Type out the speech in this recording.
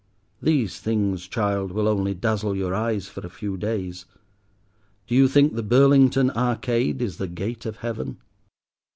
These things, child, will only dazzle your eyes for a few days. Do you think the Burlington Arcade is the gate of Heaven?"